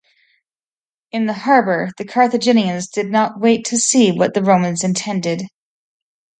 In the harbour, the Carthaginians did not wait to see what the Romans intended.